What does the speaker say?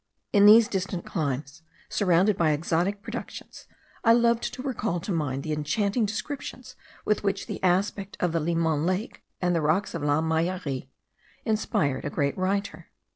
In these distant climes surrounded by exotic productions, I loved to recall to mind the enchanting descriptions with which the aspect of the Leman lake and the rocks of La Meillerie inspired a great writer.